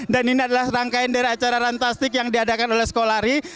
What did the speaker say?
ini adalah rangkaian dari acara rantastik yang diadakan oleh skolari